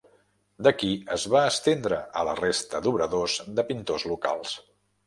D'aquí es va estendre a la resta d'obradors de pintors locals.